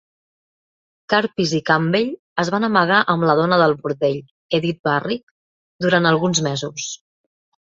Karpis i Campbell es van amagar amb la dona del bordell, Edith Barry, durant alguns mesos.